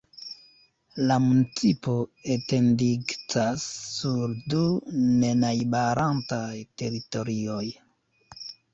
La municipo etendigcas sur du nenajbarantaj teritorioj.